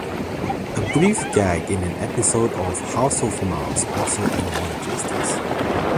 A brief gag in an episode of "House of Mouse" also acknowledges this.